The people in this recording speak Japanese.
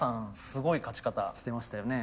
すごい勝ち方してましたよね。